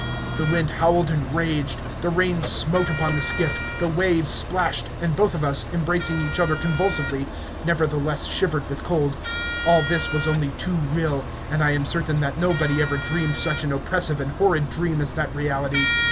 The wind howled and raged, the rain smote upon the skiff, the waves splashed, and both of us, embracing each other convulsively, nevertheless shivered with cold. All this was only too real, and I am certain that nobody ever dreamed such an oppressive and horrid dream as that reality.